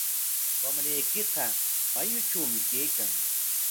Wamraykiqa mayutrawmi kaykan.